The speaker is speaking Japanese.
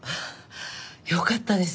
よかったです。